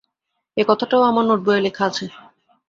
এ কথাটাও আমার নোট-বইয়ে লেখা আছে।